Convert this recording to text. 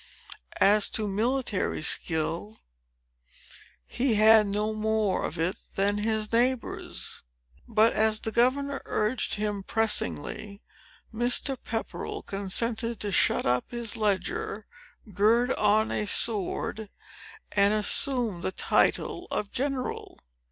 As to military skill, he had no more of it than his neighbors. But, as the governor urged him very pressingly, Mr. Pepperell consented to shut up his leger, gird on a sword, and assume the title of General.